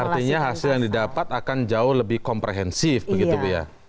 artinya hasil yang didapat akan jauh lebih komprehensif begitu bu ya